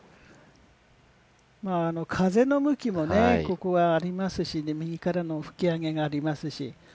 風の向きもここはありますし、右からの吹き上げがありますし。